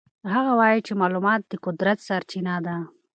هغه وایي چې معلومات د قدرت سرچینه ده.